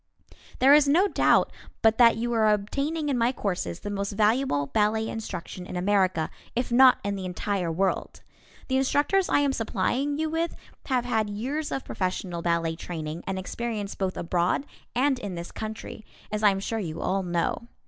There is no doubt but that you are obtaining in my courses the most valuable ballet instruction in America, if not in the entire world. The instructors I am supplying you with have had years of professional ballet training and experience both abroad and in this country, as I am sure you all know.